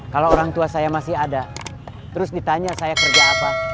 kalau orang tua saya masih ada terus ditanya saya kerja apa